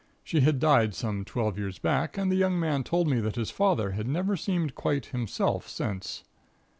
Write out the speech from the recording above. She had died some twelve years back, and the young man told me that his father had never seemed quite himself since.